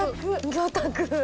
魚拓！